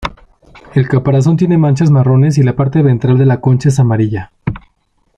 El caparazón tiene manchas marrones y la parte ventral de la concha es amarilla.